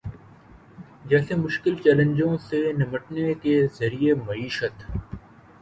جیسے مشکل چیلنجوں سے نمٹنے کے ذریعہ معیشت